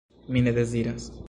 Mi ne deziras!